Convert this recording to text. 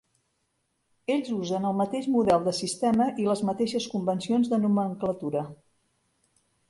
Ells usen el mateix model de sistema i les mateixes convencions de nomenclatura.